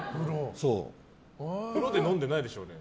風呂で飲んでないでしょうね？